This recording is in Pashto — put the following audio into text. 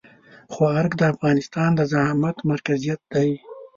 خو ارګ د افغانستان د زعامت مرکزيت دی.